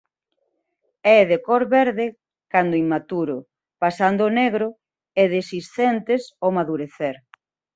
É de cor verde cando inmaturo pasando ao negro e dehiscentes ao madurecer.